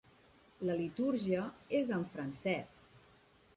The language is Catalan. La litúrgia és en francès.